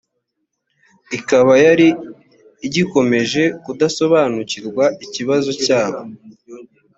ikaba yari igikomeje kudasobanukirwa ikibazo cyabo